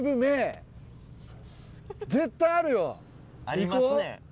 ありますね。